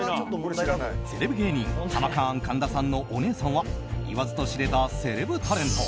セレブ芸人ハマカーン神田さんのお姉さんは言わずと知れたセレブタレント